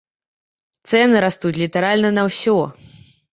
Цэны растуць літаральна на ўсё.